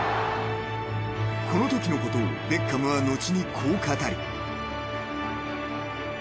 ［このときのことをベッカムは後にこう語る］